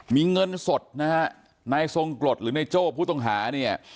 มีเงินสดนะฮะนายทรงกรดหรือนายโจ้ผู้ต้องหาเนี่ย